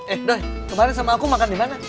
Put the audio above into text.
eh doi kemarin sama aku makan dimana